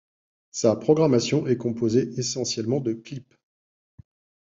Sa programmation est composée essentiellement de clips.